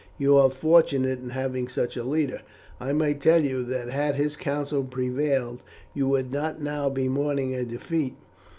You are fortunate in having such a leader. I may tell you that had his counsel prevailed you would not now be mourning a defeat.